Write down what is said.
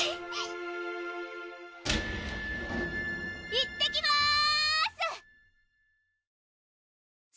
いってきまーす！